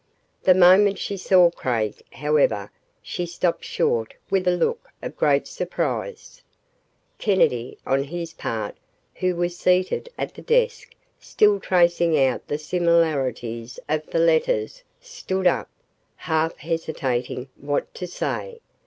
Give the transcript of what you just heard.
The moment she saw Craig, however, she stopped short with a look of great surprise. Kennedy, on his part, who was seated at the desk still tracing out the similarities of the letters, stood up, half hesitating what to say.